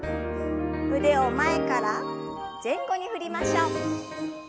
腕を前から前後に振りましょう。